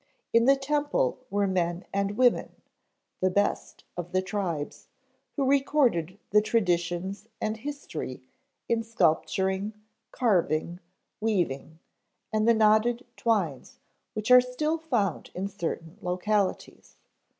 In the temple were men and women, the best of the tribes, who recorded the traditions and history in sculpturing, carving, weaving and the knotted twines which are still found in certain localities.